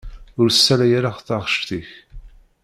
Ur ssalay ara taɣect-ik.